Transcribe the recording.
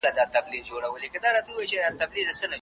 مشرانو به د هر فرد خوندیتوب باوري کړی وي.